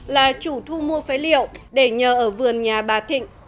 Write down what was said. là chủ thu mua phế liệu để nhờ ở vườn nhà bà thịnh